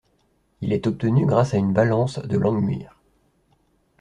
Il est obtenu grâce à une balance de Langmuir.